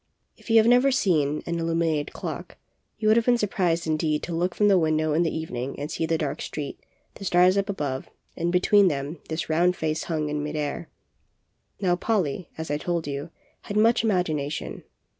If you have never seen an illuminated clock, you would have been surprised indeed to look from the window in the evening and see the dark street, the stars up above, and between them this round face hung in mid air. Now Polly, as I told you, had much imag ination.